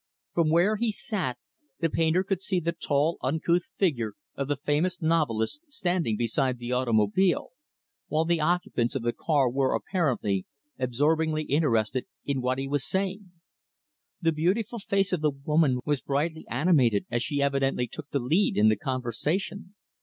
From where he sat, the painter could see the tall, uncouth figure of the famous novelist standing beside the automobile, while the occupants of the car were, apparently, absorbingly interested in what he was saying. The beautiful face of the woman was brightly animated as she evidently took the lead in the conversation.